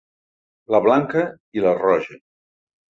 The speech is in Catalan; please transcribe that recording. La blanca i la roja.